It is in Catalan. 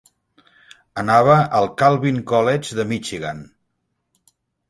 Anava al Calvin College de Michigan.